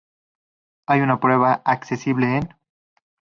Hay una prueba accesible en:.